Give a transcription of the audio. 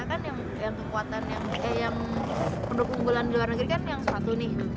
kan yang kekuatan yang pendukung bulan di luar negeri kan yang satu nih